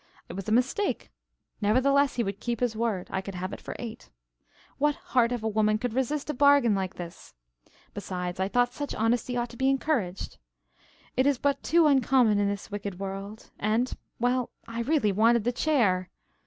It was a mistake. Nevertheless he would keep his word. I could have it for eight. What heart of woman could resist a bargain like this? Besides, I thought such honesty ought to be encouraged. It is but too uncommon in this wicked world. And well, I really wanted the chair.